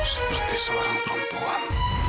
seperti seorang perempuan